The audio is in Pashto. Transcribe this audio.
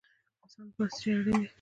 د انسان لپاره څه شی اړین دی؟